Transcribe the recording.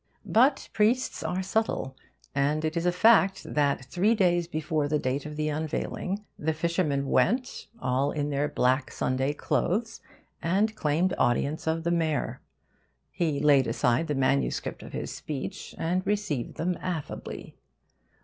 But priests are subtle; and it is a fact that three days before the date of the unveiling the fishermen went, all in their black Sunday clothes, and claimed audience of the mayor. He laid aside the MS. of his speech, and received them affably.